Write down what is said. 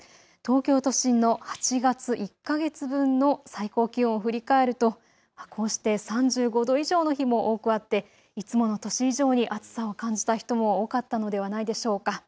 東京都心の８月１か月分の最高気温を振り返るとこうして３５度以上の日も多くあっていつもの年以上に暑さを感じた人も多かったのではないでしょうか。